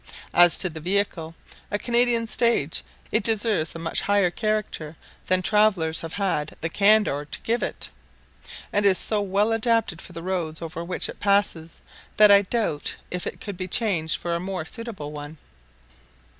As to the vehicle, a Canadian stage, it deserves a much higher character than travellers have had the candour to give it, and is so well adapted for the roads over which it passes that I doubt if it could be changed for a more suitable one.